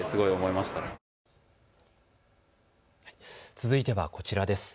続いてはこちらです。